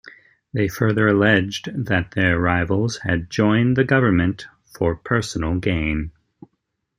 They further alleged that their rivals had joined the government for personal gain.